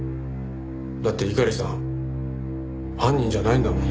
だって猪狩さん犯人じゃないんだもん。